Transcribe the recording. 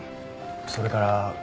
それから。